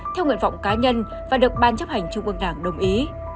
theo nguyện vọng cá nhân và được ban chấp hành trung ương đảng đồng ý